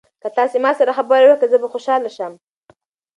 که تاسي ما سره خبرې وکړئ زه به خوشاله شم.